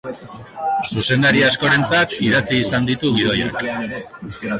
Zuzendari askorentzat idatzi izan ditu gidoiak.